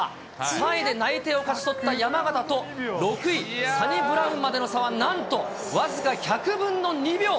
３位で内定を勝ち取った山縣と、６位、サニブラウンまでの差は、なんと僅か１００分の２秒。